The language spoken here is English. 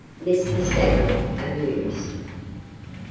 MR. STANLOCK AMUSED.